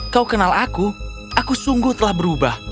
kau kenal aku aku sungguh telah berubah